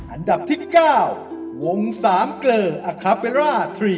อันดับที่๙วงสามเกลออาคาเบลร่า๓